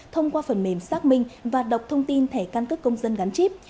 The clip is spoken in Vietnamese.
thông qua phần mềm xác minh và đọc thông tin thẻ căn cước công dân gắn chip